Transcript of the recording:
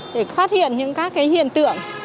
để phát hiện những các hiện tượng